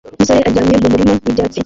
Umusore aryamye mu murima wibyatsi